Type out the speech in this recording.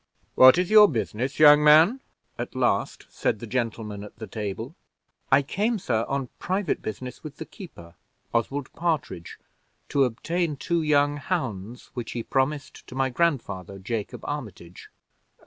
"What is your business, young man?" at last said the gentleman at the table. "I came, sir, on private business with the keeper, Oswald Partridge, to obtain two young hounds, which he promised to my grandfather, Jacob Armitage."